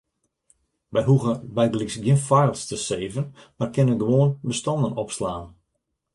We hoege bygelyks gjin files te saven, mar kinne gewoan bestannen opslaan.